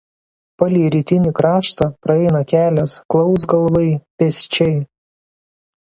Palei rytinį kraštą praeina kelias Klausgalvai–Pesčiai.